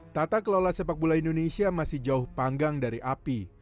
tata kelola sepak bola indonesia masih jauh panggang dari api